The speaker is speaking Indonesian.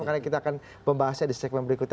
karena kita akan membahasnya di segmen berikutnya